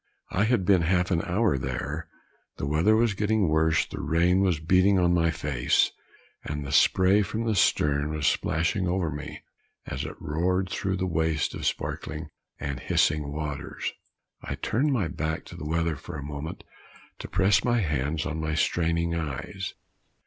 I had been half an hour there, the weather was getting worse, the rain was beating in my face, and the spray from the stern was splashing over me, as it roared through the waste of sparkling and hissing waters. I turned my back to the weather for a moment to press my hands on my straining eyes.